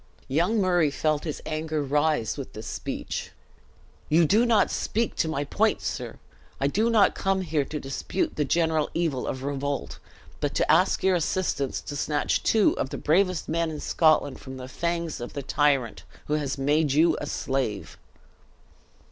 Young Murray felt his anger rise with this speech. "You do not speak to my point, sir! I do not come here to dispute the general evil of revolt, but to ask your assistance to snatch two of the bravest men in Scotland from the fangs of the tyrant who has made you a slave!"